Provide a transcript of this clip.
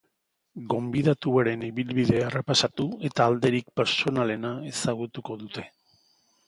Gonbidatuaren ibilbidea errepasatu eta alderik pertsonalena ezagutuko dute.